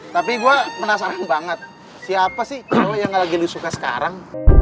tapi gue penasaran banget siapa sih kalau yang gak lagi disuka sekarang